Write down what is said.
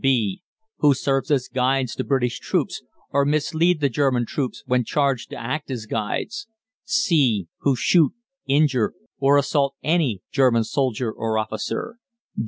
(b) Who serve as guides to British troops, or mislead the German troops when charged to act as guides. (c) Who shoot, injure, or assault any German soldier or officer.